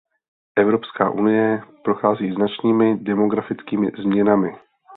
Evropská unie prochází značnými demografickými změnami.